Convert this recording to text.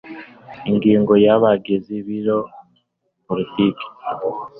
Ingingo ya Abagize Biro Politiki